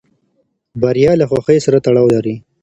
بریا له خوښۍ سره تړاو لري.